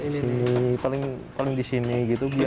di sini paling di sini gitu biasa